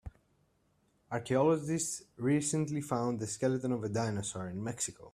Archaeologists recently found the skeleton of a dinosaur in Mexico.